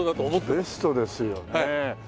ベストですよね。